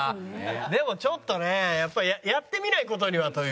でもちょっとねやっぱりやってみない事にはという。